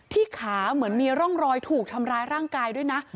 ขาเหมือนมีร่องรอยถูกทำร้ายร่างกายด้วยนะ